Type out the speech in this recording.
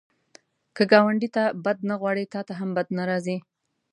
که ګاونډي ته بد نه غواړې، تا ته هم بد نه راځي